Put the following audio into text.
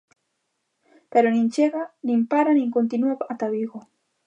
Pero nin chega, nin para nin continúa ata Vigo.